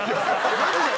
マジで。